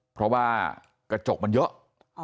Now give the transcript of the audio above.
เพราะว่ากระจกมันเยอะ